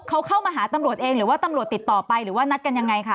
เขาเข้ามาหาตำรวจเองหรือว่าตำรวจติดต่อไปหรือว่านัดกันยังไงคะ